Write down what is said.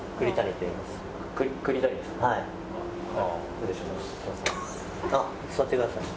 失礼します。